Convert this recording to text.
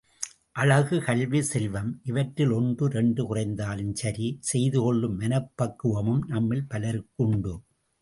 அழகு, கல்வி, செல்வம் இவற்றில் ஒன்று இரண்டு குறைந்தாலும் சரி செய்துகொள்ளும் மனப்பக்குவமும் நம்மில் பலர்க்கு உண்டு.